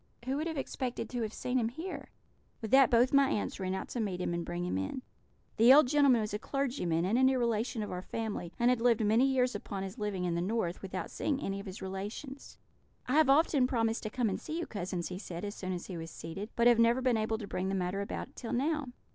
'Who would have expected to have seen him here?' "With that both my aunts ran out to meet him and bring him in. The old gentleman was a clergyman, and a near relation of our family, and had lived many years upon his living in the North, without seeing any of his relations. "'I have often promised to come and see you, cousins,' he said, as soon as he was seated, 'but never have been able to bring the matter about till now.'